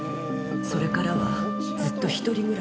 それからはずっと一人暮らしで。